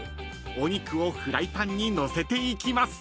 ［お肉をフライパンに載せていきます］